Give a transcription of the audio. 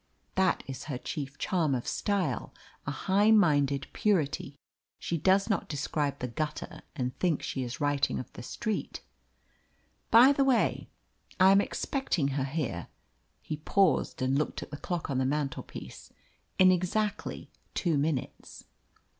That is her chief charm of style, a high minded purity. She does not describe the gutter and think she is writing of the street. By the way, I am expecting her here" (he paused, and looked at the clock on the mantelpiece) "in exactly two minutes."